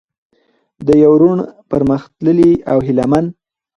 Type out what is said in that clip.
د يو روڼ، پرمختللي او هيله من